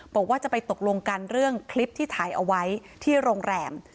บอกว่าจะไปตกลงกันเรื่องคลิปที่ถ่ายเอาไว้ที่โรงแรม